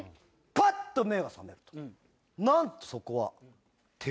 パッと目が覚めるとなんとそこは。